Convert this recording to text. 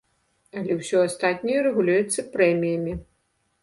Але ўсё астатняе рэгулюецца прэміямі.